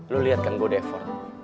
lo liat kan gue udah effort